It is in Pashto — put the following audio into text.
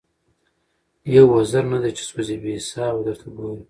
یو وزر نه دی چي سوځي بې حسابه درته ګوري